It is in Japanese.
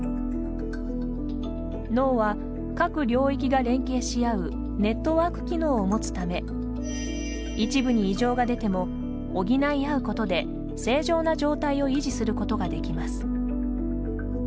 脳は各領域が連携し合うネットワーク機能を持つため一部に異常が出ても補い合うことで正常な状態を維持することが出来ます。